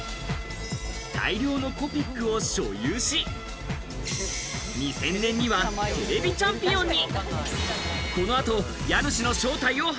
大量のコピックを所有し、２０００年にはＴＶチャンピオンに。